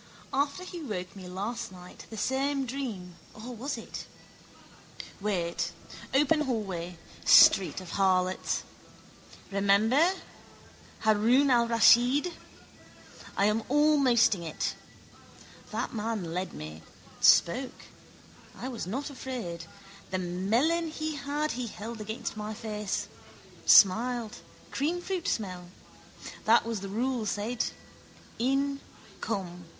After he woke me last night same dream or was it? Wait. Open hallway. Street of harlots. Remember. Haroun al Raschid. I am almosting it. That man led me, spoke. I was not afraid. The melon he had he held against my face. Smiled: creamfruit smell. That was the rule, said. In. Come.